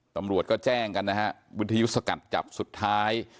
ตำรวจก็แจ้งกันนะฮะวิทยุสกัดจับสุดท้าย